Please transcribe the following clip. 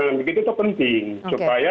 hal hal begitu itu penting supaya